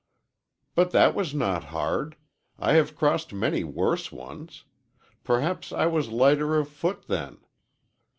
"But that was not hard. I have crossed many worse ones. Perhaps I was lighter of foot then."